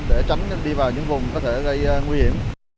để tránh đi vào những vùng có thể gây nguy hiểm